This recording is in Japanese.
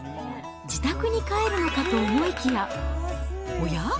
自宅に帰るのかと思いきや、おや？